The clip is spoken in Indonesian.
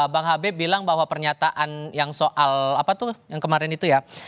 bang habib bilang bahwa pernyataan yang soal apa tuh yang kemarin itu ya